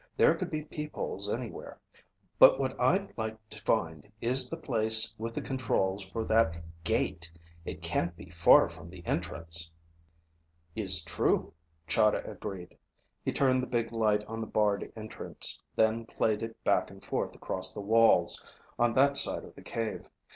"There could be peepholes anywhere. But what I'd like to find is the place with the controls for that gate! It can't be far from the entrance." "Is true," Chahda agreed. He turned the big light on the barred entrance, then played it back and forth across the walls on that side of the cave.